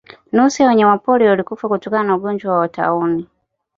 Nusu ya wanyamapori walikufa kutokana na ugonjwa wa tauni